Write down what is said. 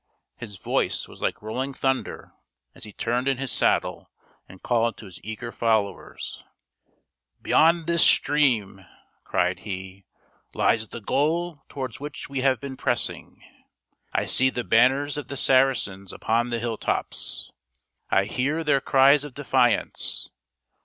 His voice was like rolling thunder as he turned in his saddle and called to his eager followers. " Beyond this stream," cried he, " lies the goal towards which we have been pressing. I see the banners of the Saracens upon the hill tops. I hear their cries of defiance.